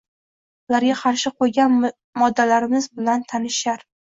ularga qarshi qo‘ygan moddalarimiz bilan «tanishishar»